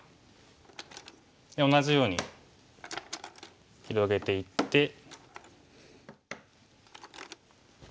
同じように広げていって。